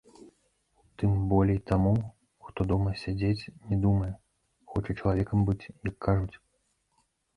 Тым болей таму, хто дома сядзець не думае, хоча чалавекам быць, як кажуць.